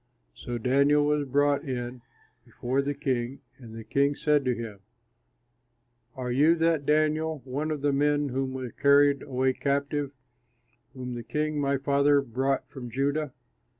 So Daniel was brought in before the king, and the king said to him, "Are you that Daniel, one of the men who were carried away captive, whom the king, my father, brought from Judah?